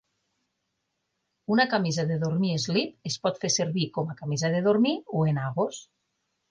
Una camisa de dormir eslip es pot fer servir com a camisa de dormir o enagos.